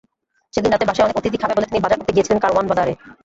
সেদিন রাতে বাসায় অনেক অতিথি খাবে বলে তিনি বাজার করতে গিয়েছিলেন কারওয়ান বাজারে।